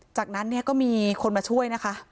จากนั้นก็มีคนมาช่วยนะคะ